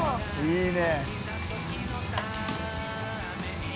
いいね。